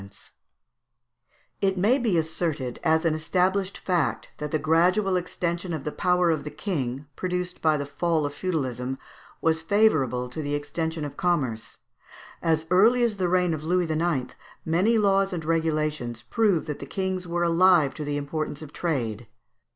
] It may be asserted as an established fact that the gradual extension of the power of the king, produced by the fall of feudalism, was favourable to the extension of commerce. As early as the reign of Louis IX. many laws and regulations prove that the kings were alive to the importance of trade.